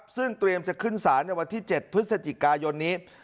ซึ่งเตรียมจะขึ้นศาลในวันที่๗พฤศจิกายนนี้